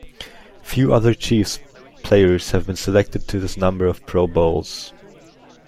Few other Chiefs players have been selected to this number of Pro Bowls.